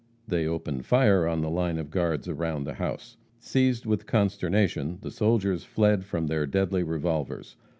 They opened fire on the line of guards around the house. Seized with consternation, the soldiers fled from their deadly revolvers.